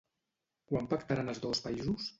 Quan pactaran els dos països?